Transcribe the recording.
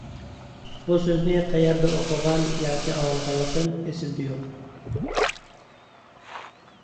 بۇ سۆزنى قەيەردە ئوقۇغان ياكى ئاڭلىغانلىقىم ئېسىمدە يوق.